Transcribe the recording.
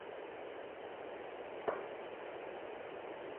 Éste es un caso especial de "separación ciega de las señales".